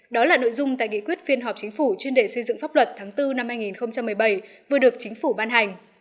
đó là nội dung tại nghị quyết phiên họp chính phủ chuyên đề xây dựng pháp luật tháng bốn năm hai nghìn một mươi bảy vừa được chính phủ ban hành